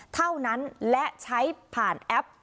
เท่านั้นและใช้ผ่านแอป